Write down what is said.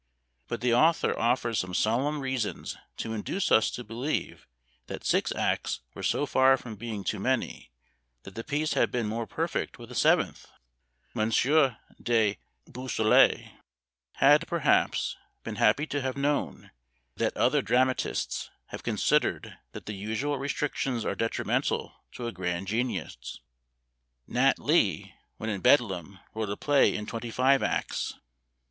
But the author offers some solemn reasons to induce us to believe that six acts were so far from being too many, that the piece had been more perfect with a seventh! M. de Beaussol had, perhaps, been happy to have known, that other dramatists have considered that the usual restrictions are detrimental to a grand genius. Nat. Lee, when in Bedlam, wrote a play in twenty five acts.